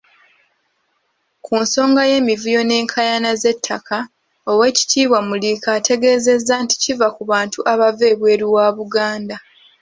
Ku nsonga y'emivuyo n'enkaayana z'ettaka, Oweekitiibwa Muliika ategeezezza nti kiva ku bantu abava ebweru wa Buganda.